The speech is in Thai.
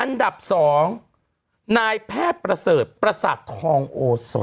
อันดับ๒นายแพทย์ประเสริฐประสาททองโอโส